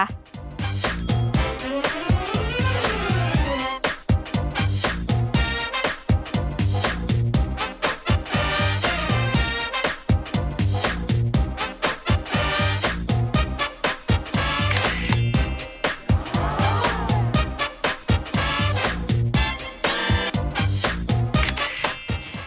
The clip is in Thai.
วันเวลา